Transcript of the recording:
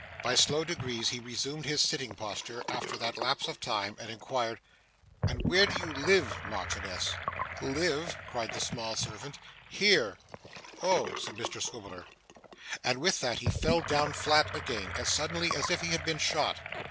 By slow degrees he resumed his sitting posture after that lapse of time, and inquired: 'And where do you live, Marchioness?' 'Live!' cried the small servant. 'Here!' 'Oh!' said Mr Swiveller. And with that he fell down flat again, as suddenly as if he had been shot.